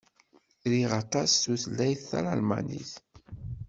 Riɣ aṭas tutlayt Talmanit.